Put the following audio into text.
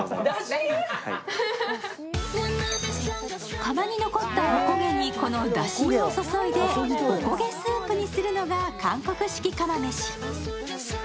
釜に残ったおこげに、この出汁湯を注いで、おこげスープにするのが韓国式釜めし。